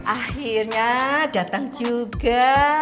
akhirnya datang juga